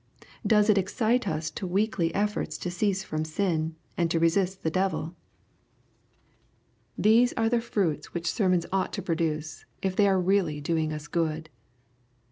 Does it excite us to weekly efforts to cease from sin, and to r3sist the devil ? Those are the fruits which sermons ought to LUKE, CHAP. IV. 119 produce, if they are really doing us good.